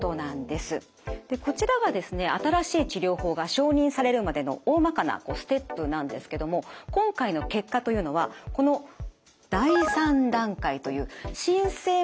でこちらがですね新しい治療法が承認されるまでのおおまかなステップなんですけども今回の結果というのはこの第３段階という申請前最後の治験の結果でした。